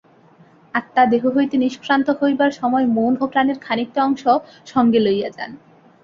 আত্মা দেহ হইতে নিষ্ক্রান্ত হইবার সময় মন ও প্রাণের খানিকটা অংশ সঙ্গে লইয়া যান।